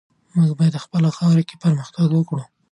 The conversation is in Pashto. موږ باید په خپله خاوره کې پرمختګ وکړو.